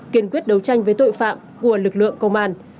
kiên quyết đấu tranh với tội phạm của lực lượng công an